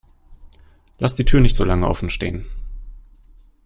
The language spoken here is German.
Lass die Tür nicht so lange offen stehen!